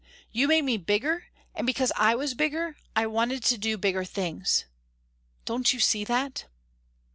You made me bigger and because I was bigger I wanted to do bigger things. Don't you see that?"